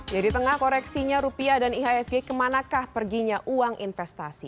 jadi di tengah koreksinya rupiah dan ihsg ke manakah perginya uang investasi